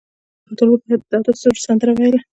هغې د ښایسته خاطرو لپاره د تاوده سرود سندره ویله.